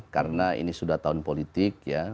karena ini sudah tahun politik